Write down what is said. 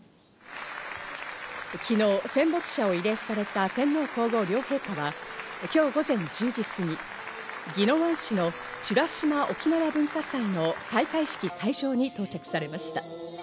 昨日、戦没者を慰霊された天皇皇后両陛下は今日午前１０時過ぎ、宜野湾市の美ら島おきなわ文化祭の開会式会場に到着されました。